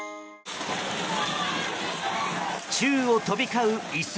宙を飛び交う椅子。